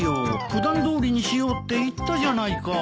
普段どおりにしようって言ったじゃないか。